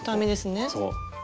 そう。